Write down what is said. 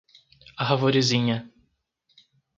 Arvorezinha